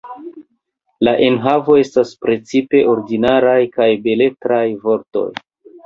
La enhavo estas precipe ordinaraj kaj beletraj vortoj.